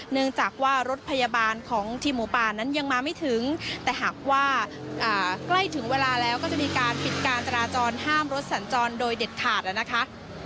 เนื่องจากว่ารถพยาบาลของทีมหมูป่านั้นยังมาไม่ถึงแต่หากว่าใกล้ถึงเวลาแล้วก็จะมีการปิดการจราจรห้ามรถสัญจรโดยเด็ดขาดนะคะ